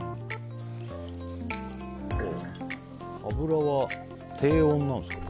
油は低温なんですか。